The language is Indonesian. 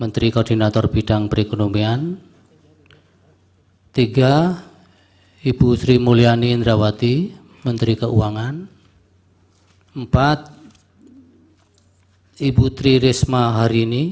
terima kasih yang mulia